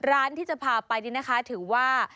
ร้านที่จะพาไปถือว่า